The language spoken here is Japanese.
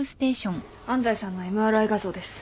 安西さんのＭＲＩ画像です。